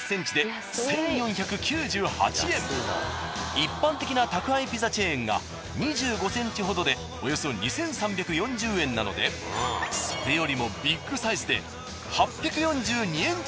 一般的な宅配ピザチェーンが２５ｃｍほどでおよそ２３４０円なのでそれよりもビッグサイズで。